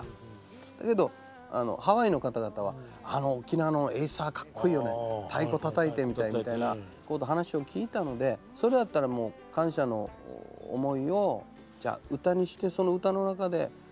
だけどハワイの方々はあの沖縄のエイサーかっこいいよね太鼓たたいてみたいみたいな話を聞いたのでそれやったらもうって言って作った歌ですね。